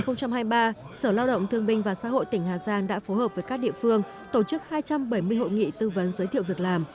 năm hai nghìn hai mươi ba sở lao động thương binh và xã hội tỉnh hà giang đã phối hợp với các địa phương tổ chức hai trăm bảy mươi hội nghị tư vấn giới thiệu việc làm